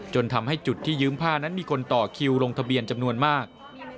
จนทำให้จุดที่ยืมผ้านั้นมีคนต่อคิวลงทะเบียนจำนวนมาก